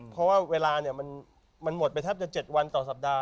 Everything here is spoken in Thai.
เพราะว่าเวลามันหมดไปแทบจะ๗วันต่อสัปดาห